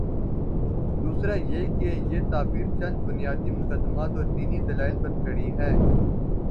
دوسرا یہ کہ یہ تعبیر چند بنیادی مقدمات اوردینی دلائل پر کھڑی ہے۔